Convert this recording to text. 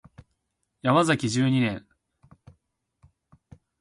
ヤマザキ十二年